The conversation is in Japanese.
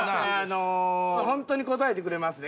本当に答えてくれますね？